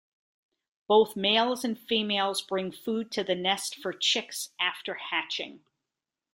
Both males and females bring food to the nest for chicks after hatching.